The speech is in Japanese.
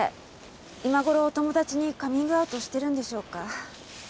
今頃お友達にカミングアウトしてるんでしょうか？